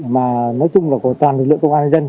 mà nói chung là của toàn lực lượng công an nhân dân